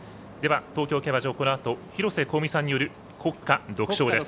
東京競馬場、このあと広瀬香美さんによる国歌独唱です。